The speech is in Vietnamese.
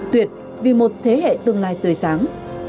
tuyệt vì một thế hệ tương lai tươi sáng